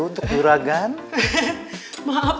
jangan lupa untuk diundangkan di video selanjutnya